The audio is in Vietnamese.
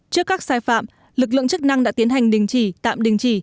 trước các sai phạm lực lượng chức năng đã tiến hành đình chỉ tạm đình chỉ